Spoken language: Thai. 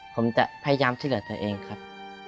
ผมจะพยายามเจริญตัวเองครับ